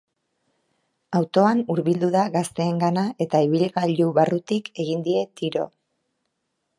Autoan hurbildu da gazteengana eta ibilgailu barrutik egin die tiro.